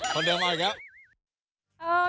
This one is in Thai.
คนเดิมเอาอีกแล้ว